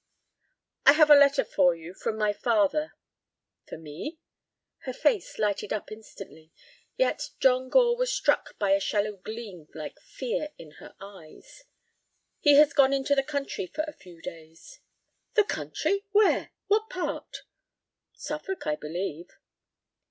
"I have a letter for you from my father." "For me?" Her face lighted up instantly, yet John Gore was struck by a shallow gleam like fear in her eyes. "He has gone into the country for a few days." "The country! Where?—what part?" "Suffolk, I believe."